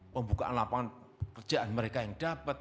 pembukaan lapangan pekerjaan mereka yang dapat